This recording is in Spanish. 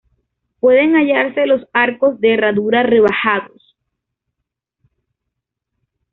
Pueden hallarse los arcos de herradura rebajados.